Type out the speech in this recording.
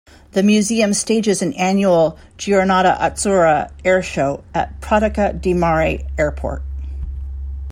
The museum stages an annual 'Giornata Azzura' airshow at Pratica di Mare airport.